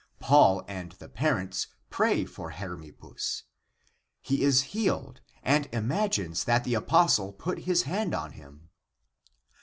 Paul and the parents pray for Hermip pus; he is healed and imagines that the apostle put his hand on him.